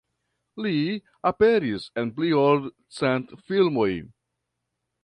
Li aperis en pli ol cent filmoj.